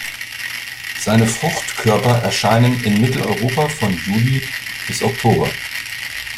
Seine Fruchtkörper erscheinen in Mitteleuropa von Juli bis Oktober.